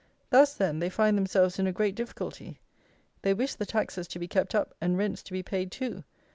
Thus, then, they find themselves in a great difficulty. They wish the taxes to be kept up and rents to be paid too.